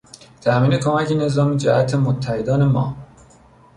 تامین کمک نظامی جهت متحدان ما